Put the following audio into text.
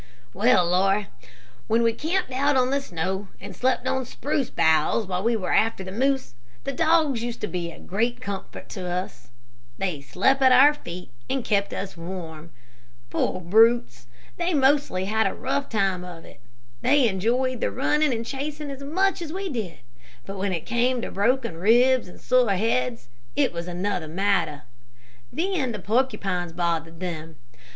"Well, Laura, when we camped out on the snow and slept on spruce boughs while we were after the moose, the dogs used to be a great comfort to us. They slept at our feet and kept us warm. Poor brutes, they mostly had a rough time of it. They enjoyed the running and chasing as much as we did, but when it came to broken ribs and sore heads, it was another matter, Then the porcupines bothered them.